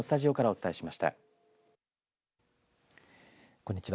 こんにちは。